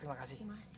terima kasih pak